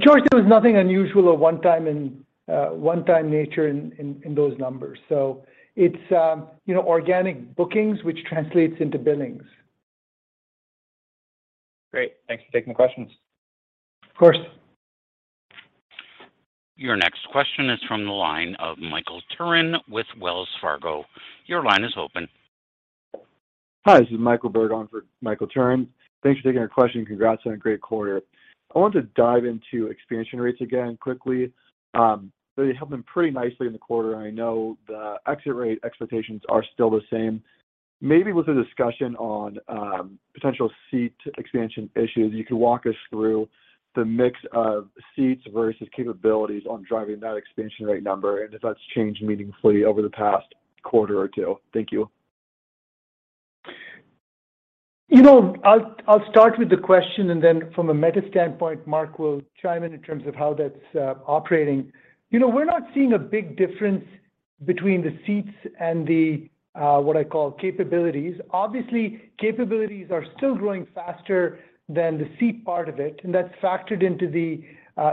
S4: George, there was nothing unusual or one time in, one time nature in those numbers. It's, you know, organic bookings, which translates into billings.
S16: Great. Thanks for taking the questions.
S4: Of course.
S1: Your next question is from the line of Michael Turrin with Wells Fargo. Your line is open.
S17: Hi, this is Michael Berg on for Michael Turrin. Thanks for taking our question. Congrats on a great quarter. I want to dive into expansion rates again quickly. You have been pretty nicely in the quarter. I know the exit rate expectations are still the same. Maybe with a discussion on potential seat expansion issues, you can walk us through the mix of seats versus capabilities on driving that expansion rate number and if that's changed meaningfully over the past quarter or two. Thank you.
S4: You know, I'll start with the question, and then from a meta standpoint, Mark will chime in in terms of how that's operating. You know, we're not seeing a big difference between the seats and the what I call capabilities. Obviously, capabilities are still growing faster than the seat part of it, and that's factored into the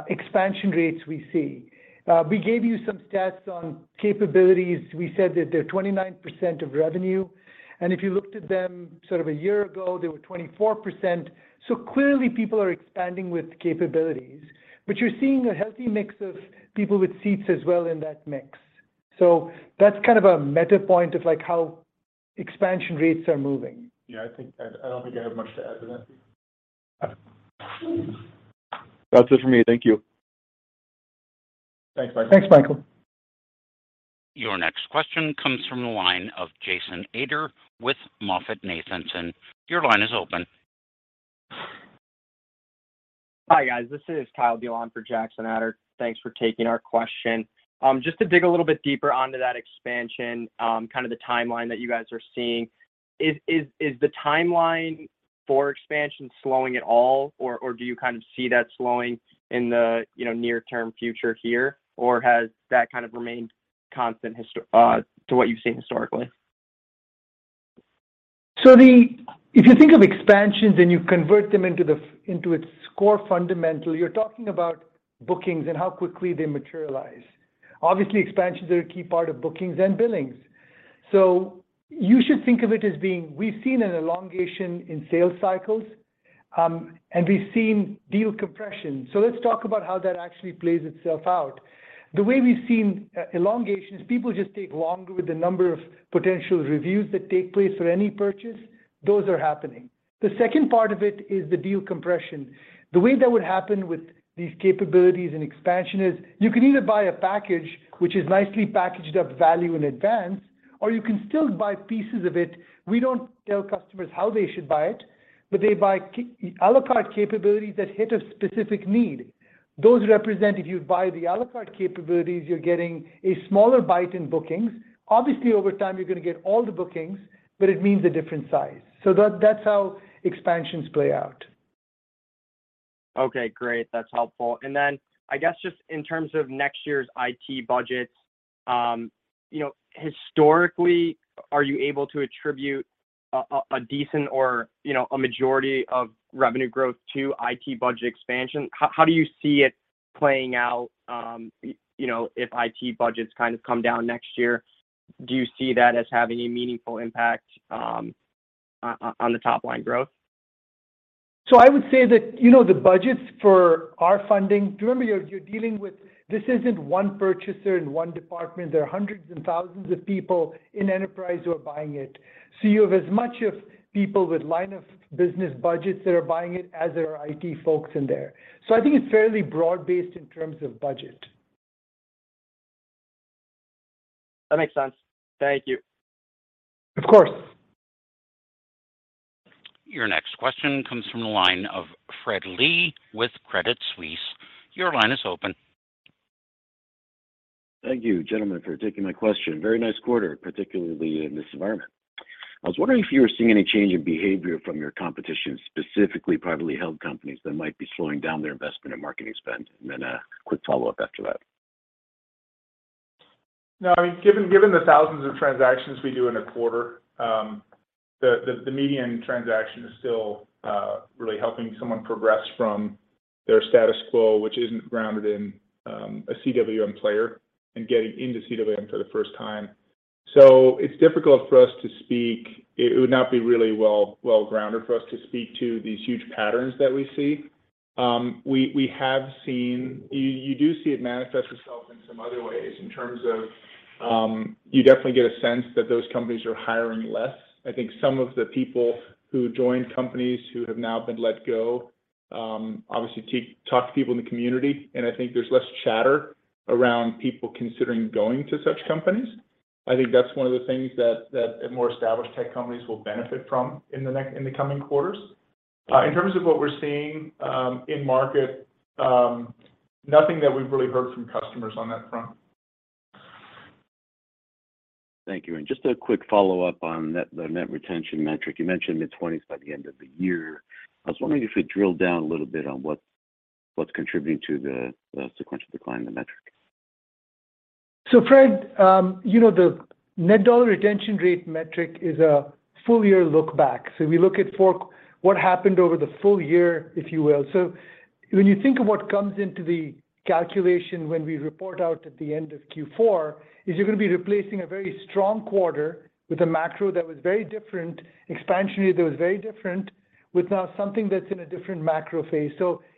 S4: expansion rates we see. We gave you some stats on capabilities. We said that they're 29% of revenue. If you looked at them sort of a year ago, they were 24%. Clearly, people are expanding with capabilities, but you're seeing a healthy mix of people with seats as well in that mix. That's kind of a meta point of, like, how expansion rates are moving.
S3: Yeah, I don't think I have much to add to that.
S17: That's it for me. Thank you.
S3: Thanks, Michael.
S4: Thanks, Michael.
S1: Your next question comes from the line of Jackson Ader with MoffettNathanson. Your line is open.
S18: Hi, guys. This is Kyle Diehl on for Jackson Ader. Thanks for taking our question. Just to dig a little bit deeper onto that expansion, kind of the timeline that you guys are seeing. Is the timeline for expansion slowing at all, or do you kind of see that slowing in the, you know, near-term future here, or has that kind of remained constant to what you've seen historically?
S4: If you think of expansions and you convert them into its core fundamental, you're talking about bookings and how quickly they materialize. Obviously, expansions are a key part of bookings and billings. You should think of it as being, we've seen an elongation in sales cycles, and we've seen deal compression. Let's talk about how that actually plays itself out. The way we've seen elongation is people just take longer with the number of potential reviews that take place for any purchase. Those are happening. The second part of it is the deal compression. The way that would happen with these capabilities and expansion is you can either buy a package which is nicely packaged up value in advance, or you can still buy pieces of it. We don't tell customers how they should buy it, but they buy a la carte capabilities that hit a specific need. Those represent, if you buy the a la carte capabilities, you're getting a smaller bite in bookings. Obviously, over time, you're gonna get all the bookings, but it means a different size. That's how expansions play out.
S18: Okay, great. That's helpful. Then I guess just in terms of next year's IT budgets, you know, historically, are you able to attribute a decent or, you know, a majority of revenue growth to IT budget expansion? How do you see it playing out, you know, if IT budgets kind of come down next year? Do you see that as having a meaningful impact, on the top line growth?
S4: I would say that, you know, the budgets for our funding, remember you're dealing with. This isn't one purchaser in one department. There are hundreds and thousands of people in enterprise who are buying it. You have as much of people with line of business budgets that are buying it as there are IT folks in there. I think it's fairly broad-based in terms of budget.
S18: That makes sense. Thank you.
S4: Of course.
S1: Your next question comes from the line of Fred Lee with Credit Suisse. Your line is open.
S19: Thank you, gentlemen, for taking my question. Very nice quarter, particularly in this environment. I was wondering if you were seeing any change in behavior from your competition, specifically privately held companies that might be slowing down their investment and marketing spend. A quick follow-up after that.
S3: No, I mean, given the thousands of transactions we do in a quarter, the median transaction is still really helping someone progress from their status quo, which isn't grounded in a CWM player and getting into CWM for the first time. It's difficult for us to speak. It would not be really well-grounded for us to speak to these huge patterns that we see. We have seen. You do see it manifest itself in some other ways in terms of, you definitely get a sense that those companies are hiring less. I think some of the people who joined companies who have now been let go, obviously talk to people in the community, and I think there's less chatter around people considering going to such companies. I think that's one of the things that more established tech companies will benefit from in the coming quarters. In terms of what we're seeing in market, nothing that we've really heard from customers on that front.
S19: Thank you. Just a quick follow-up on net, the net retention metric. You mentioned mid-20s by the end of the year. I was wondering if you drill down a little bit on what's contributing to the sequential decline in the metric?
S4: Fred, you know, the net dollar retention rate metric is a full year look back. We look at for what happened over the full year, if you will. When you think of what comes into the calculation when we report out at the end of Q4, is you're gonna be replacing a very strong quarter with a macro that was very different, expansionary that was very different, with now something that's in a different macro phase.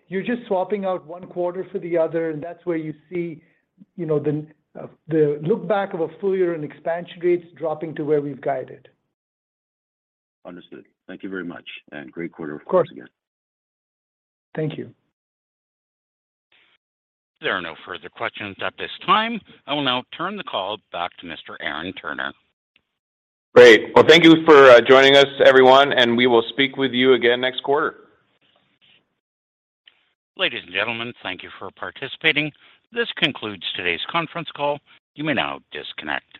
S4: You're just swapping out one quarter for the other, and that's where you see, you know, the look back of a full year in expansion rates dropping to where we've guided.
S19: Understood. Thank you very much, and great quarter, of course, again.
S4: Of course. Thank you.
S1: There are no further questions at this time. I will now turn the call back to Mr. Aaron Turner.
S2: Great. Well, thank you for joining us, everyone, and we will speak with you again next quarter.
S1: Ladies and gentlemen, thank you for participating. This concludes today's conference call. You may now disconnect.